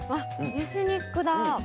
エスニックだ！